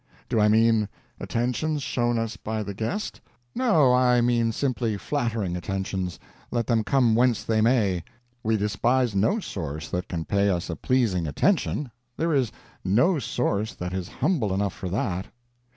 Do I mean attentions shown us by the guest? No, I mean simply flattering attentions, let them come whence they may. We despise no source that can pay us a pleasing attention there is no source that is humble enough for that.